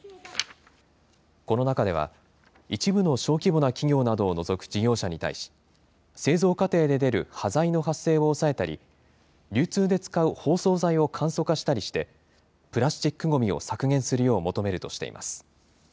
この中では、一部の小規模な企業などを除く事業者に対し、製造過程で出る端材の発生を抑えたり、流通で使う包装材を簡素化したりして、プラスチックごみを削減するよう求めるとしています。